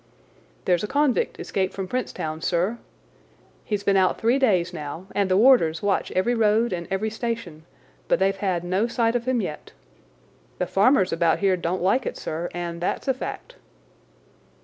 "There's a convict escaped from Princetown, sir. He's been out three days now, and the warders watch every road and every station, but they've had no sight of him yet. The farmers about here don't like it, sir, and that's a fact."